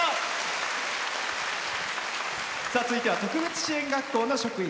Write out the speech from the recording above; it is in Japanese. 続いては特別支援学校の職員。